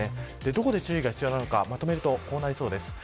どこで注意が必要なのかまとめると、こちらです。